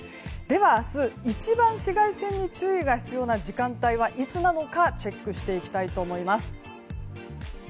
明日、一番紫外線に注意が必要な時間帯はいつなのか、チェックしていきたいと思います。